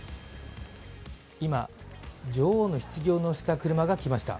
今、女王のひつぎを載せた車が来ました。